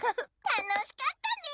たのしかったね。